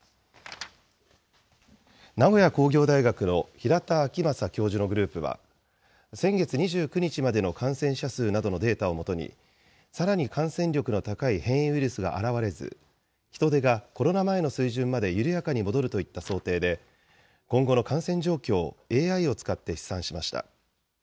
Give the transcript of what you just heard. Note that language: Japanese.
名古屋工業大学の、平田晃正教授のグループは、先月２９日までの感染者数などのデータを基に、さらに感染力の高い変異ウイルスが現れず、人出がコロナ前の水準まで緩やかに戻るといった想定で、今後の感染状況をＡＩを使って試算しました。